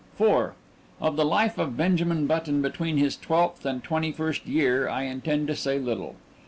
IV Of the life of Benjamin Button between his twelfth and twenty first year I intend to say little.